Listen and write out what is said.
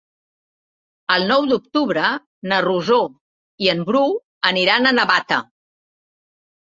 El nou d'octubre na Rosó i en Bru aniran a Navata.